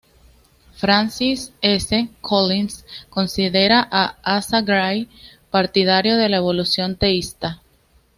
Francis S. Collins considera a Asa Gray partidario de la evolución teísta.